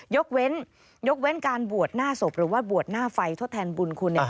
ยกเว้นการบวชหน้าศพหรือว่าบวชหน้าไฟทดแทนบุญคุณ